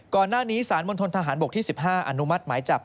ก่อนหน้านี้สารมณฑนทหารบกที่๑๕อนุมัติหมายจับ